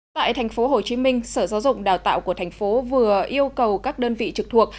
tại thành phố hồ chí minh sở giáo dục đào tạo của thành phố vừa yêu cầu các đơn vị trực thuộc